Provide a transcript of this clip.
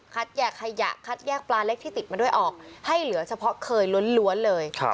แยกขยะคัดแยกปลาเล็กที่ติดมาด้วยออกให้เหลือเฉพาะเคยล้วนเลย